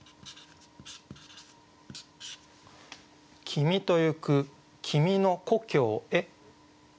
「君とゆく君の故郷へ」。